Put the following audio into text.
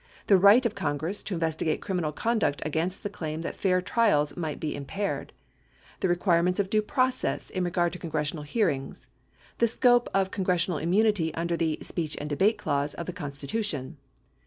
The right of Congress to inves tigate criminal conduct against the claim that fair trials might be im paired. The requirements of "Due Process" in regard to congressional hearings. The scope of congressional immunity under the "Speech and Debate Clause" of the Constitution.